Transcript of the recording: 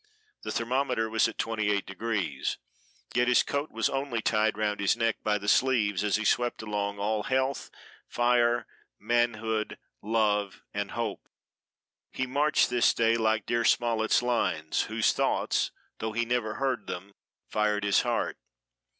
The thermometer was at 28 degrees, yet his coat was only tied round his neck by the sleeves as he swept along all health, fire, manhood, love and hope. He marched this day like dear Smollett's lines, whose thoughts, though he had never heard them, fired his heart.